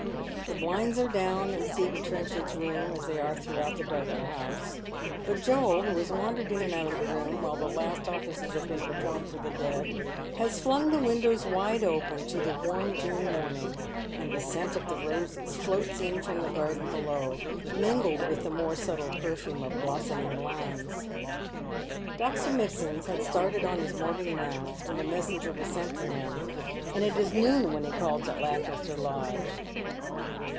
The blinds are down in Stephen Trenchard's room as they are throughout the darkened house, but Joel, who has wandered in and out of the room while the last offices have been performed for the dead, has flung the windows wide open to the warm June morning, and the scent of the roses floats in from the garden below, mingled with the more subtle perfume of blossoming limes. Dr. Mitsand has started on his morning rounds when the messenger was sent for him, and it is noon when he calls at Lancaster Lodge.